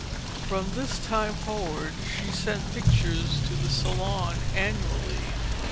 From this time forward, she sent pictures to the Salon annually.